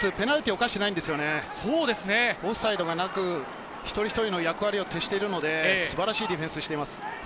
オフサイドがなく、一人一人の役割に徹しているので素晴らしいディフェンスです。